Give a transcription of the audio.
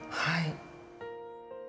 はい。